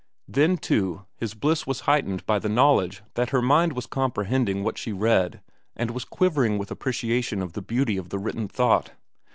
Then, too, his bliss was heightened by the knowledge that her mind was comprehending what she read and was quivering with appreciation of the beauty of the written thought.